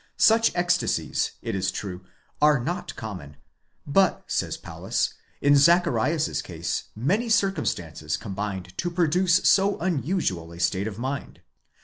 * Such ecstasies, it is true, are not common ; but, says. Paulus, in Zacharias's case many circumstances combined to produce so un usual a state of mind.